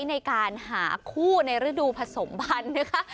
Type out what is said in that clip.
ในการหาคู่ในฤดูผสมพันธุ์นะคะ